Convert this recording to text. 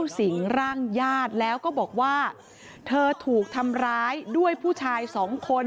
สิงร่างญาติแล้วก็บอกว่าเธอถูกทำร้ายด้วยผู้ชายสองคน